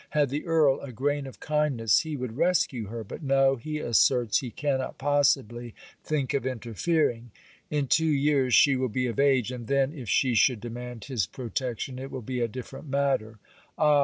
Had the Earl a grain of kindness, he would rescue her; but no; he asserts he cannot possibly think of interfering. In two years, she will be of age; and then, if she should demand his protection, it will be a different matter. Ah!